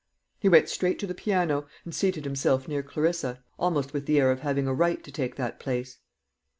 He went straight to the piano, and seated himself near Clarissa, almost with the air of having a right to take that place.